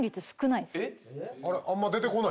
あんま出てこないですか？